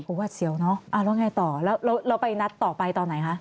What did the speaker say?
โอ้โฮวัดเซียวนะแล้วไงต่อเราไปนัดต่อไปตอนไหนคะ